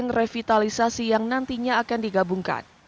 dan juga akan menjalankan revitalisasi yang nantinya akan digabungkan